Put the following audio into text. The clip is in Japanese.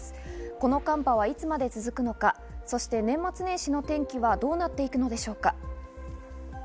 この寒波はいつまで続くのか、そして年末年始の天気はどうなっていくのでしょうか。